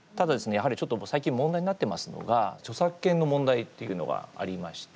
やはりちょっと最近問題になってますのが著作権の問題っていうのがありまして。